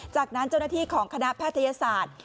จากนั้นเจ้าหน้าที่ของคณะแพทยศาสตร์